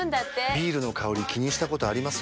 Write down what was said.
ビールの香り気にしたことあります？